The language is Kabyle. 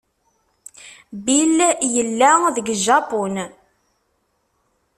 Bill yella deg Japun.